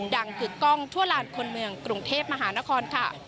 กึกกล้องทั่วลานคนเมืองกรุงเทพมหานครค่ะ